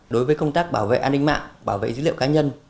đối với công tác bảo vệ an ninh mạng bảo vệ dữ liệu cá nhân